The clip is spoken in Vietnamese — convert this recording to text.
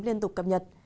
liên tục cập nhật